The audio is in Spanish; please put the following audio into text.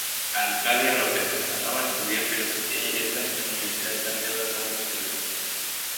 Arcadio López Casanova estudió Filosofía y Letras en la Universidad de Santiago de Compostela.